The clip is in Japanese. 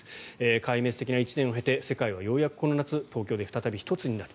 壊滅的な１年を経て世界はようやくこの夏東京で再び一つになる。